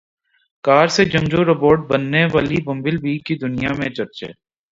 کار سے جنگجو روبوٹ بننے والی بمبل بی کے دنیا میں چرچے